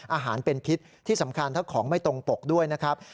อาหารเป็นพิษที่สำคัญถ้าของไม่ตรงปกด้วยนะครับ